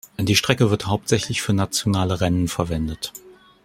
Die Strecke wird hauptsächlich für nationale Rennen verwendet.